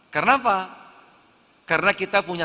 karena apa karena kita punya